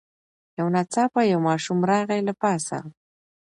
یو ناڅاپه یو ماشوم راغی له پاسه